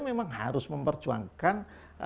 memang harus memperjuangkan